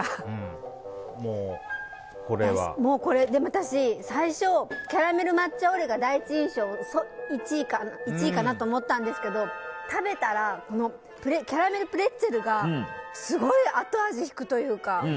私、最初キャラメル抹茶オレが第一印象では１位かなと思ったんですけど食べたらキャラメルプレッツェルがすごい後味引くというか。